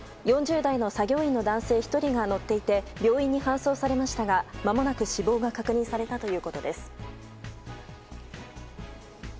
４０代の男性作業員１人が乗っていて病院に搬送されましたがまもなく死亡が確認されたということです。